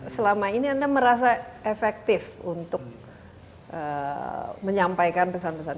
selama ini anda merasa efektif untuk menyampaikan pesan pesan